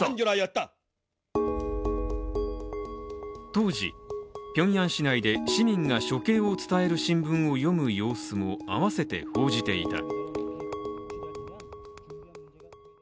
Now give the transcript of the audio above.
当時、ピョンヤン市内で市民が処刑を伝える新聞を読む様子も併せて報じていた。